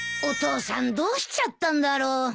お父さんどうしちゃったんだろう。